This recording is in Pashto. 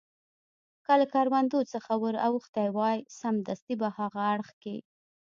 که له کروندو څخه ور اوښتي وای، سمدستي په هاغه اړخ کې.